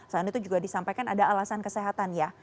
selain itu juga disampaikan ada alasan kesehatan ya